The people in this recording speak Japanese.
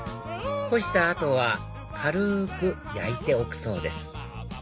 干した後は軽く焼いておくそうです